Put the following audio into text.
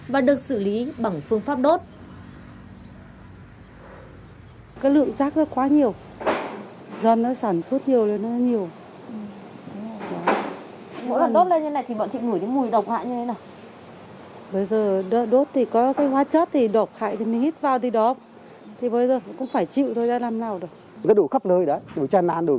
và được xử lý bằng phương pháp đốt